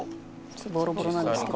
ボロボロなんですけど。